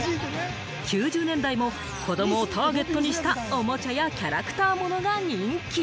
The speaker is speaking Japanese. ９０年代も子どもをターゲットにした、おもちゃやキャラクターものが人気。